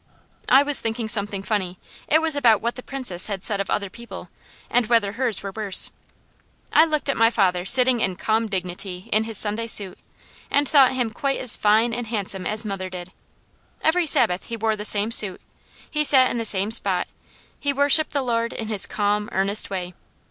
I was thinking something funny: it was about what the Princess had said of other people, and whether hers were worse. I looked at my father sitting in calm dignity in his Sunday suit and thought him quite as fine and handsome as mother did. Every Sabbath he wore the same suit, he sat in the same spot, he worshipped the Lord in his calm, earnest way.